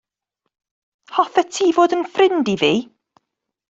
Hoffet ti fod yn ffrind i fi?